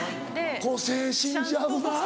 個性死んじゃうな。